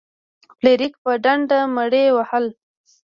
فلیریک په ډنډه مړي وهل.